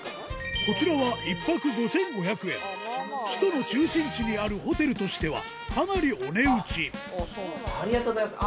こちらは首都の中心地にあるホテルとしてはかなりお値打ちありがとうございます！